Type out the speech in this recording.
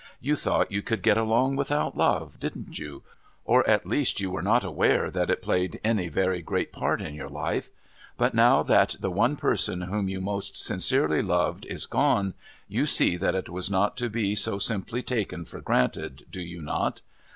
You thought you could get along without love, didn't you? or, at least, you were not aware that it played any very great part in your life. But now that the one person whom you most sincerely loved is gone, you see that it was not to be so simply taken for granted, do you not?